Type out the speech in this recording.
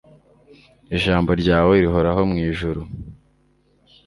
ijambo ryawe rihoraho mu ijuru